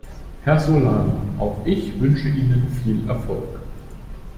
Herr Solana, auch ich wünsche Ihnen viel Erfolg.